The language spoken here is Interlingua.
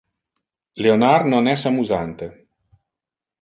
Leonard non es amusante.